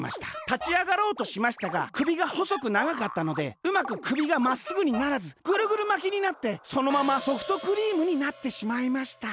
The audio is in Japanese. たちあがろうとしましたがくびがほそくながかったのでうまくくびがまっすぐにならずぐるぐるまきになってそのままソフトクリームになってしまいました。